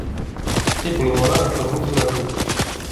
ابني مراهق متمرد.